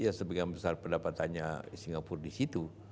ya sebagian besar pendapatannya singapura di situ